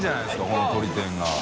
このとり天が。